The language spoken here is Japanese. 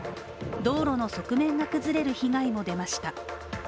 道路の側面が崩れる被害も出ました。